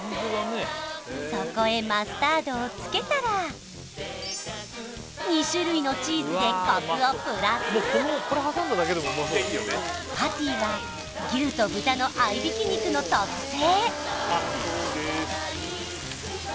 そこへマスタードをつけたら２種類のチーズでコクをプラスパティは牛と豚の合いびき肉の特製